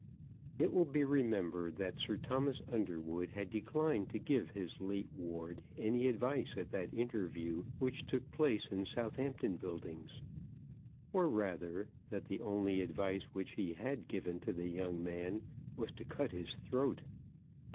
It will be remembered that Sir Thomas Underwood had declined to give his late ward any advice at that interview which took place in Southampton Buildings; or rather that the only advice which he had given to the young man was to cut his throat.